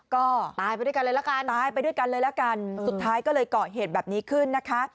ก็ตายไปด้วยกันเลยละกันสุดท้ายก็โกรธเหตุแบบนี้ขึ้นนะคะ